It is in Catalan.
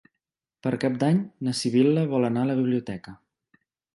Per Cap d'Any na Sibil·la vol anar a la biblioteca.